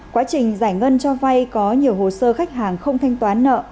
quá trình giải ngân cho vay có nhiều hồ sơ khách hàng không thanh toán nợ